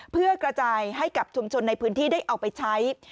เพื่อกระจายให้กับชุมชนในพื้นที่ได้เอาไปใช้